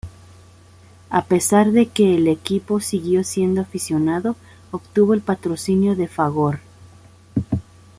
A pesar de que el equipo siguió siendo aficionado, obtuvo el patrocinio de Fagor.